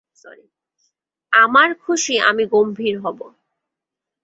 আমার খুশি আমি গম্ভীর হব।